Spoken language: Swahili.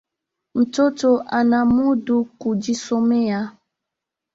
Mtoto anamudu kujisomea